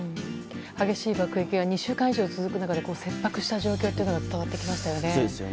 激しい爆撃が２週間以上続く中で切迫した状況が伝わってきましたね。